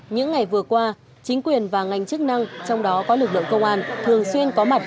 những ngày vừa qua chính quyền và ngành chức năng trong đó có lực lượng công an